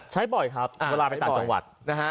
ใช้บ่อยครับเวลาไปต่างจังหวัด